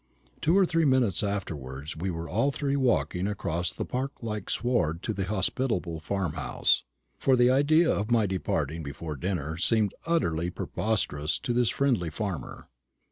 Two or three minutes afterwards we were all three walking across the park like sward to the hospitable farm house; for the idea of my departing before dinner seemed utterly preposterous to this friendly farmer.